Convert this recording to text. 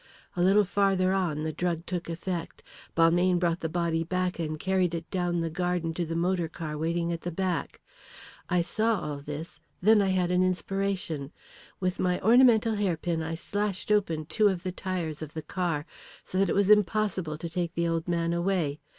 A little further on the drug took effect. Balmayne brought the body back and carried it down the garden to the motor car waiting at the back. I saw all this; then I had an inspiration. With my ornamental hairpin I slashed open two of the tyres of the car, so that it was impossible to take the old man away.